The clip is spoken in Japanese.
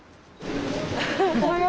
おはよう。